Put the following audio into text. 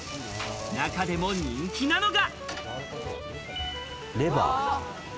中でも人気なのが。